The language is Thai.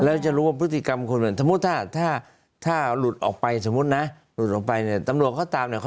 แล้วจะรู้ว่าพฤติกรรมถ้าหลุดออกไปสมมตินะหลุดออกไปตำรวจเขาตาม